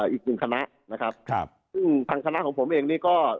อีกหนึ่งคณะนะครับซึ่งทางคณะของผมเองนี่ก็